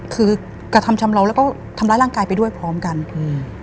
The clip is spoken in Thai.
คือกระทำชำเลาแล้วก็ทำร้ายร่างกายไปด้วยพร้อมกันอืม